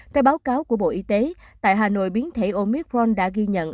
theo báo cáo của bộ y tế tại hà nội biến thể omicron đã ghi nhận